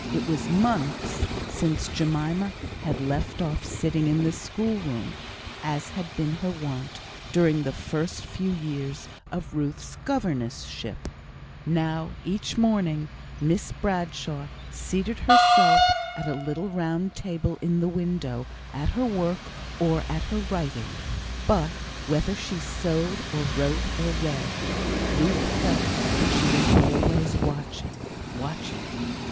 It was months since Jemima had left off sitting in the schoolroom, as had been her wont during the first few years of Ruth's governess ship. Now, each morning Miss Bradshaw seated herself at a little round table in the window, at her work, or at her writing; but whether she sewed, or wrote, or read, Ruth felt that she was always watching watching.